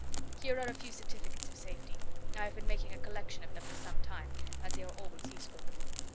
Here are a few certificates of safety; I have been making a collection of them for some time, as they are always useful."